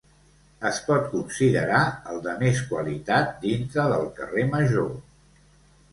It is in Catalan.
Es pot considerar el de més qualitat dintre del carrer Major.